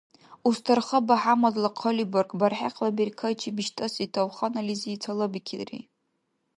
Устарха БяхӀяммадла хъалибарг бархӀехъла беркайчи биштӀаси тавханализи цалабикилри.